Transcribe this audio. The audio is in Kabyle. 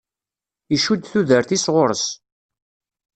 Icudd tudert-is ɣer-s.